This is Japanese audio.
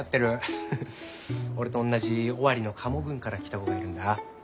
俺とおんなじ尾張の加茂郡から来た子がいるんだ。